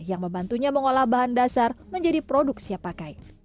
yang membantunya mengolah bahan dasar menjadi produk siap pakai